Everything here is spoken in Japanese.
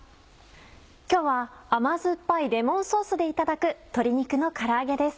今日は甘酸っぱいレモンソースでいただく「鶏肉のから揚げ」です。